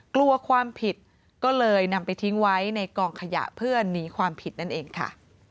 กลัวความผิดก็เลยนำไปทิ้งไว้ในกองขยะเพื่อหนีความผิดนั่นเองค่ะ